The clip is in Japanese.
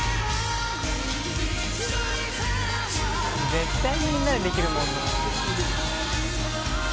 絶対みんなでできるもんな。